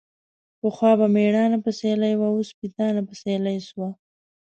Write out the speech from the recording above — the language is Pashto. پخوا به ميړانه په سيالي وه ، اوس سپيتانه په سيالي سوه.